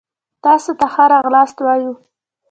تاسي ته ښه را غلاست وايو